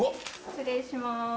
失礼します